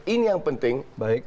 ini yang penting